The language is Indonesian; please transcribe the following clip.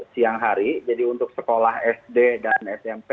siang hari jadi untuk sekolah sd dan smp